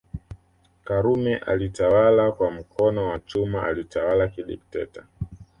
Karume alitawala kwa mkono wa chuma alitawala kidikteta